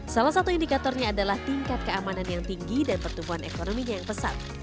salah satu indikatornya adalah tingkat keamanan yang tinggi dan pertumbuhan ekonominya yang pesat